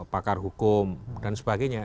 pakar hukum dan sebagainya